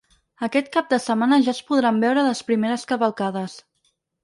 Aquest cap de setmana ja es podran veure les primeres cavalcades.